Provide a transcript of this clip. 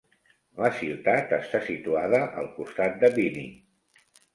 La ciutat està situada al costat de Vining.